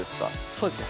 そうですね